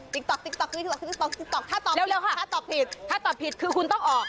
ติ๊กต๊อกถ้าตอบเร็วเร็วค่ะถ้าตอบผิดถ้าตอบผิดคือคุณต้องออก